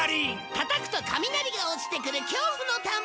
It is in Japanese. たたくと雷が落ちてくる恐怖のタンバリン！